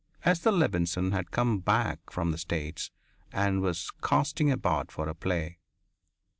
Esther Levenson had come back from the States and was casting about for a play.